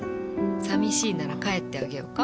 寂しいなら帰ってあげようか？